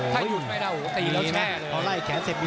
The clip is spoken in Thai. ถ้ายุบไปนะหนวตีแล้วแช่เลย